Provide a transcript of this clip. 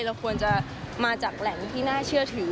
เราควรจะมาจากแหล่งที่น่าเชื่อถือ